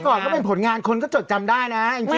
ก่อนก็เป็นผลงานคนก็จดจำได้นะจริง